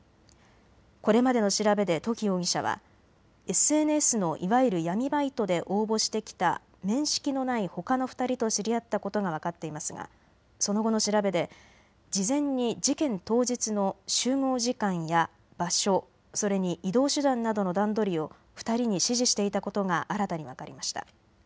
これまでの調べで土岐容疑者はＳＮＳのいわゆる闇バイトで応募してきた面識のないほかの２人と知り合ったことが分かっていますがその後の調べで事前に事件当日の集合時間や場所、それに移動手段などの段取りを２人に指示していたことが新たに分かりました。